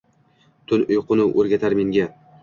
Tun uyquni o’rgatar menga